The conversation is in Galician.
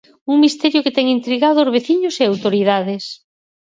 Un misterio que ten intrigados veciños e autoridades.